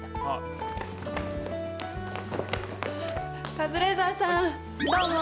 カズレーザーさんどうも！